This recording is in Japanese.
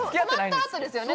泊まったあとですよね？